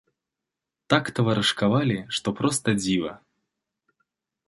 Так таварышкавалі, што проста дзіва.